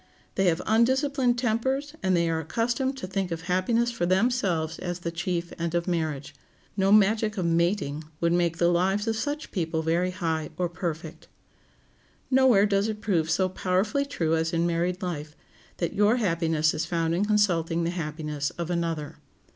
They have undisciplined tempers, and they are accustomed to think of happiness for themselves as the chief end of marriage. No magic of "mating" would make the lives of such people very high or perfect. Nowhere does it prove so powerfully true as in married life, that your happiness is found in consulting the happiness of another.